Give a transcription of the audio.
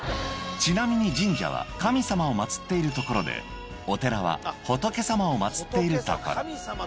ちなみに神社は神様を祭っている所で、お寺は仏様を祭っている所。